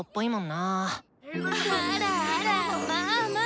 あらあらまあまあ。